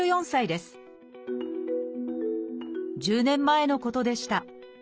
１０年前のことでした。